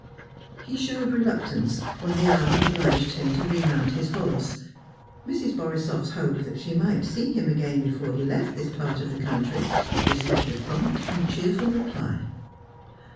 He showed reluctance when the hour obliged him to remount his horse. Mrs. Borisoff's hope that she might see him again before he left this part of the country received a prompt and cheerful reply.